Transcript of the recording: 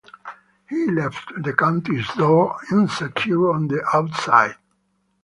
He left the countess's door unsecured on the outside.